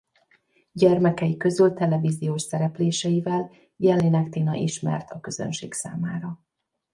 Gyermekei közül televíziós szerepléseivel Jellinek Tina ismert a közönség számára.